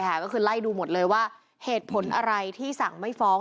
ก็คือไล่ดูหมดเลยว่าเหตุผลอะไรที่สั่งไม่ฟ้อง